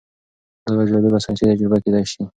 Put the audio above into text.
دا یوه جالبه ساینسي تجربه کیدی شي.